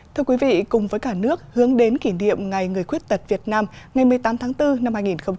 thưa quý vị cùng với cả nước hướng đến kỷ niệm ngày người khuyết tật việt nam ngày một mươi tám tháng bốn năm hai nghìn hai mươi